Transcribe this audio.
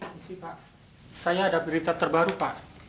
pak saya ada berita terbaru pak